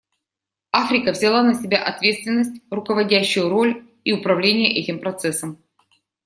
Африка взяла на себя ответственность, руководящую роль и управление этим процессом.